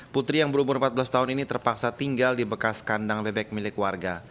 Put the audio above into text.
putri yang berumur empat belas tahun ini terpaksa tinggal di bekas kandang bebek milik warga